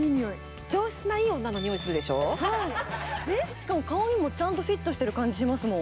しかも顔にもちゃんとフィットしている感じがしますもん。